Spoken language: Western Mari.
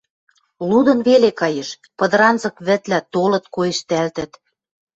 Лудын веле каеш, пыдыранзык вӹдлӓ толыт, коэштӓлтӹт.